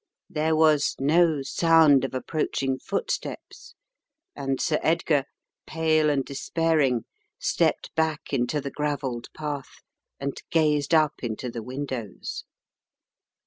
There was no sound of approaching footsteps and Sir Edgar, pale and de spairing, stepped back into the gravelled path and gazed up into the windows.